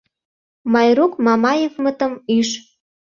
Майрук, Мамаевмытым ӱж.